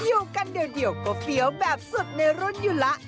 อยู่กันเดียวก็เฟี้ยวแบบสุดในรุ่นอยู่แล้ว